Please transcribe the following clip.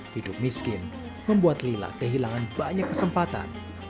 hidup miskin membuat lila kehilangan banyak kesempatan